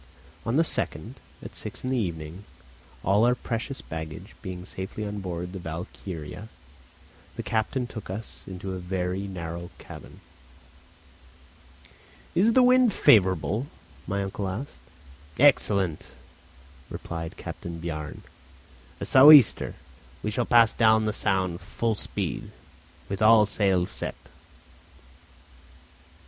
On the 2nd, at six in the evening, all our precious baggage being safely on board the Valkyria, the captain took us into a very narrow cabin. "Is the wind favourable?" my uncle asked. "Excellent," replied Captain Bjarne; "a sou' easter. We shall pass down the Sound full speed, with all sails set."